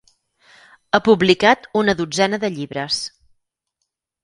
Ha publicat una dotzena de llibres.